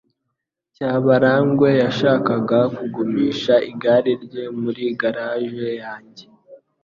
Cyabarangwe yashakaga kugumisha igare rye muri garage yanjye.